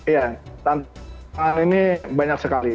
iya tantangan ini banyak sekali